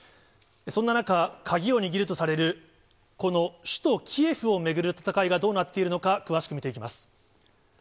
そんな中、鍵を握るとされる、この首都キエフを巡る戦いがどうなっているのか、詳しく見ていきます。